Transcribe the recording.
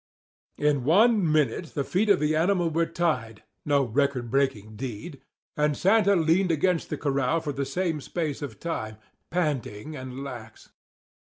In one minute the feet of the animal were tied (no record breaking deed) and Santa leaned against the corral for the same space of time, panting and lax.